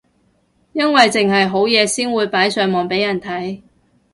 因為剩係好嘢先會擺上網俾人睇